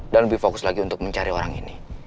dan lebih fokus lagi untuk mencari orang ini